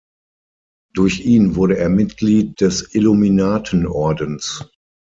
Durch ihn wurde er Mitglied des Illuminatenordens.